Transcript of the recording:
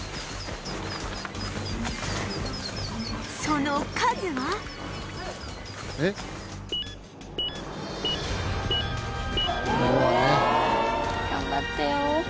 その数は頑張ってよ。